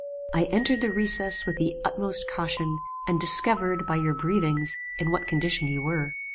"I entered the recess with the utmost caution, and discovered, by your breathings, in what condition you were.